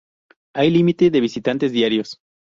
Hay límite de visitantes diarios.